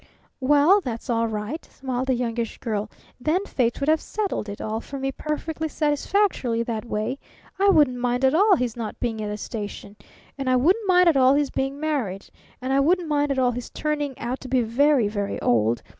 "Well, that's all right," smiled the Youngish Girl. "Then Fate would have settled it all for me perfectly satisfactorily that way. I wouldn't mind at all his not being at the station. And I wouldn't mind at all his being married. And I wouldn't mind at all his turning out to be very, very old.